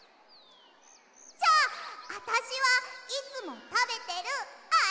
じゃああたしはいつもたべてるあれだ！